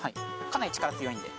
かなり力強いんで。